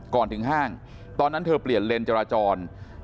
ก่อนถึงห้างตอนนั้นเธอเปลี่ยนเลนจราจร